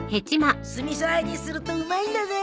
酢みそあえにするとうまいんだぜ。